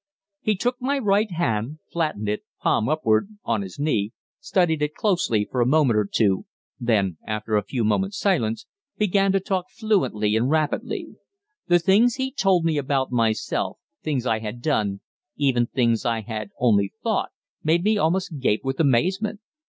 He took my right hand, flattened it, palm upward, on his knee, studied it closely for a moment or two, then, after a few moments' silence, began to talk fluently and rapidly. The things he told me about myself, things I had done, even things I had only thought, made me almost gape with amazement.